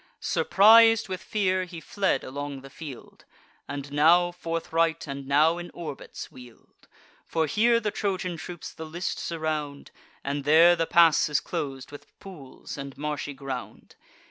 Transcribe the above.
Surpris'd with fear, he fled along the field, And now forthright, and now in orbits wheel'd; For here the Trojan troops the list surround, And there the pass is clos'd with pools and marshy ground.